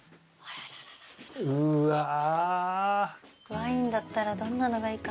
ワインだったらどんなのがいいかな。